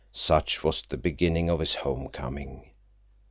Such was the beginning of his home coming.